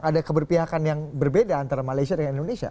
ada keberpihakan yang berbeda antara malaysia dengan indonesia